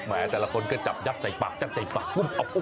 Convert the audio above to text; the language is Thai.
แต่ละคนก็จับยัดใส่ปากยัดใส่ปาก